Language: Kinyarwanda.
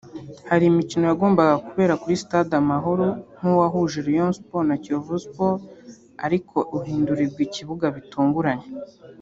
Hari imikino yagombaga kubera kuri stade Amahoro nk’uwahuje Rayon Sports na Kiyovu Sports ariko uhindurirwa ikibuga bitunguranye